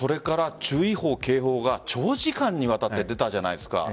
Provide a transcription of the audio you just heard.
注意報、警報が長時間にわたって出たじゃないですか。